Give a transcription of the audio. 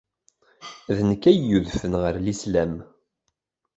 D nekk ay yudfen ɣer Lislam.